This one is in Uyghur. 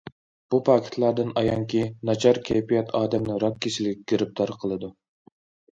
بۇ پاكىتلاردىن ئايانكى،« ناچار كەيپىيات ئادەمنى راك كېسىلىگە گىرىپتار قىلىدۇ».